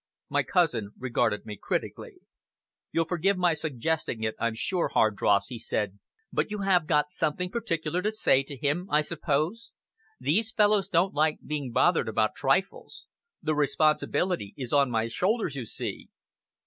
My cousin regarded me critically. "You'll forgive my suggesting it, I'm sure, Hardross," he said, "but you have got something particular to say to him, I suppose? These fellows don't like being bothered about trifles. The responsibility is on my shoulders, you see."